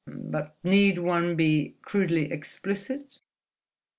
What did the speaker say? But need one be crudely explicit?"